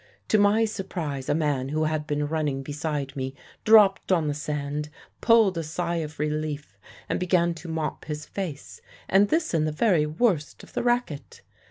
To my surprise a man who had been running beside me dropped on the sand, pulled a sigh of relief, and began to mop his face and this in the very worst of the racket.